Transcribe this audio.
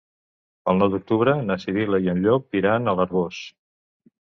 El nou d'octubre na Sibil·la i en Llop iran a l'Arboç.